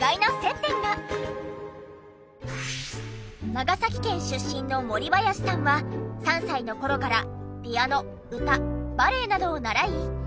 長崎県出身のもりばやしさんは３歳の頃からピアノ歌バレエなどを習い。